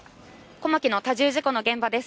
小牧の多重事故の現場です。